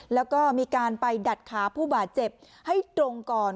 แล้วก็มีการไปดัดขาผู้บาดเจ็บให้ตรงก่อน